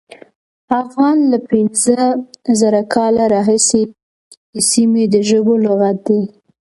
افغان له پینځه زره کاله راهیسې د سیمې د ژبو لغت دی.